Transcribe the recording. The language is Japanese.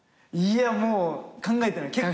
いやもう考えてない。